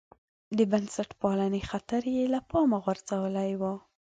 د بنسټپالنې خطر یې له پامه غورځولی و.